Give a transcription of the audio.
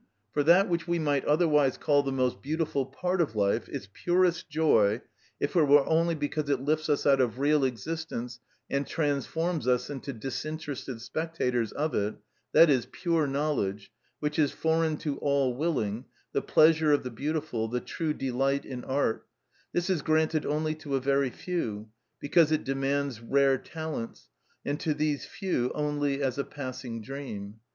For that which we might otherwise call the most beautiful part of life, its purest joy, if it were only because it lifts us out of real existence and transforms us into disinterested spectators of it—that is, pure knowledge, which is foreign to all willing, the pleasure of the beautiful, the true delight in art—this is granted only to a very few, because it demands rare talents, and to these few only as a passing dream.